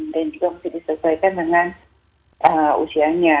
dan juga harus disesuaikan dengan usianya